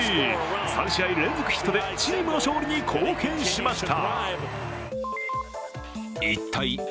３試合連続ヒットでチームの勝利に貢献しました。